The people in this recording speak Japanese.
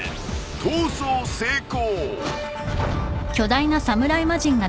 ［逃走成功！］